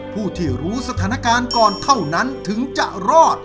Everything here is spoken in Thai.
ผู้ที่รู้สถานการณ์ก่อนเท่านั้นถึงจะรอด